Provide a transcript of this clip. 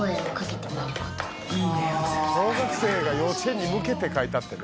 小学生が幼稚園に向けて書いたってね。